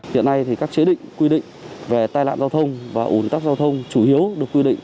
hiện nay các chế định quy định về tai nạn giao thông và ủ lực tác giao thông chủ yếu được quy định